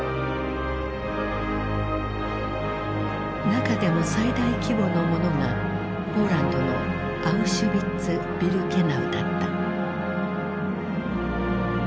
中でも最大規模のものがポーランドのアウシュビッツ・ビルケナウだった。